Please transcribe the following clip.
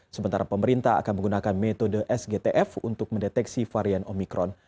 sementara pemerintah akan menggunakan metode sgtf untuk mendeteksi varian omikron